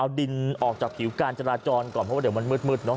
เอาดินออกจากผิวการจราจรก่อนเพราะว่าเดี๋ยวมันมืดเนอ